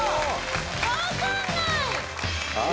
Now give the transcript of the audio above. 分かんない！